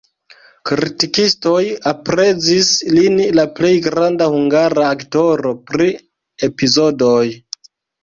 Kritikistoj aprezis lin la plej granda hungara aktoro pri epizodoj.